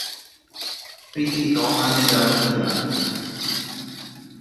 প্রীতি ন মানে জাত কুজাত।